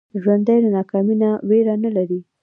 ژوندي له ناکامۍ نه ویره نه لري